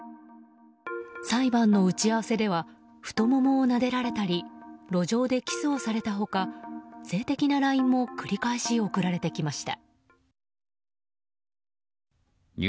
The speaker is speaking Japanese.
裁判の打ち合わせでは太ももをなでられたり路上でキスをされた他性的なＬＩＮＥも繰り返し送られてきました。